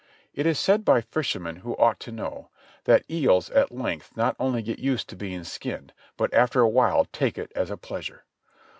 It is said by fishermen who ought to know, that "eels at length not only get used to being skinned, but after a while take to it as a pleasure."